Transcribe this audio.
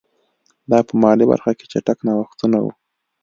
دا په مالي برخه کې چټک نوښتونه وو